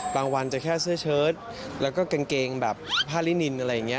วันจะแค่เสื้อเชิดแล้วก็กางเกงแบบผ้าลินินอะไรอย่างนี้